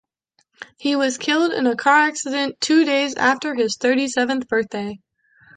He was killed in a car accident two days after his thirty-seventh birthday.